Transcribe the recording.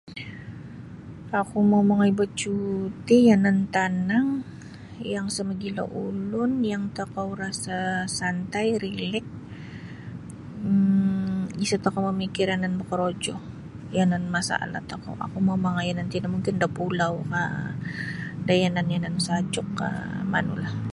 Oku mau' mongoi bacuuti' yanan tanang yang sa mogilo ulun yang tokou rasa' santai rilek um isa' tokou mamikir yanan bokorojo yanan masalah tokou. Oku mau' mongoi nanti da mungkin da pulaukah da yanan-yanan sajukkah manulah.